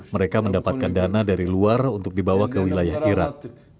mereka mendapatkan dana dari luar untuk dibawa ke wilayah irak